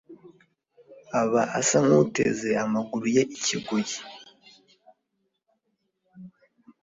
aba asa nk’uteze amaguru ye ikigoyi